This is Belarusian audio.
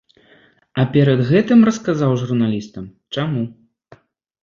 А перад гэтым расказаў журналістам, чаму.